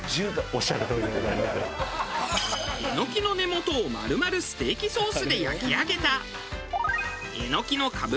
エノキの根元を丸々ステーキソースで焼き上げた。